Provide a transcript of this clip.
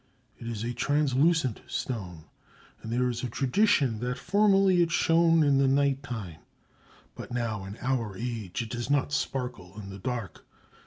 It is a translucent stone, and there is a tradition that formerly it shone in the night time; but now, in our age, it does not sparkle in the dark.